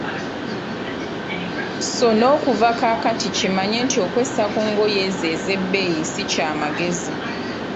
So n‘okuva kaakati kimanye nti okwessa ku ngoye ezo ezebbeeyi si kya magezi.